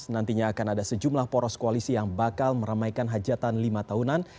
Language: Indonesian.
nantinya akan ada sejumlah poros koalisi yang bakal meramaikan hajatan lima tahunan